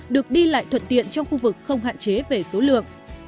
được đi lại thuận tiện trong khu vực không hạn chế về số lượng